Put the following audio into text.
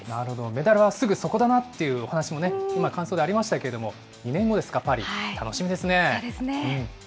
メダルはすぐそこだなというお話も今感想でありましたけど、２年後ですか、パリ、そうですね。